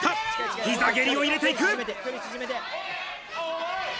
膝蹴りを入れていく！